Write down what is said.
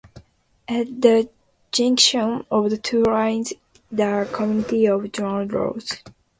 At the junction of the two lines the community of Donald rose.